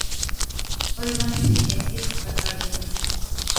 علما اسی حیثیت سے فتویٰ دیتے ہیں